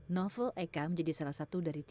novel eka menjadi salah satu